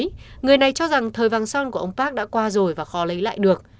vì vậy người này cho rằng thời vàng son của ông park đã qua rồi và khó lấy lại được